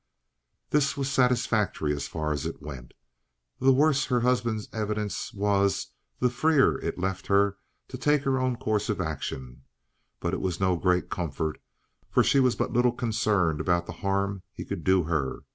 This was satisfactory as far as it went. The worse her husband's evidence was the freer it left her to take her own course of action. But it was no great comfort, for she was but little concerned about the harm he could do her.